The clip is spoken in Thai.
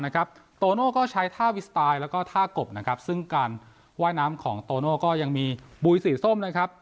ตัวโน้าก็ใช้ท่าวิสไตล์และก็ท่ากบ